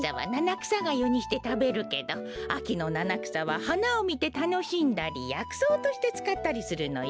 くさがゆにしてたべるけどあきのななくさははなをみてたのしんだりやくそうとしてつかったりするのよ。